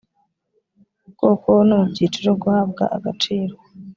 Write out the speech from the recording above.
mu bwoko no mu byiciro guhabwa agaciro